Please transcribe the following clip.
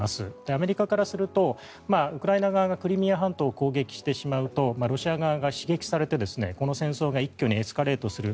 アメリカからするとウクライナ側がクリミア半島を攻撃してしまうとロシア側が刺激されてこの戦争が一挙にエスカレートする。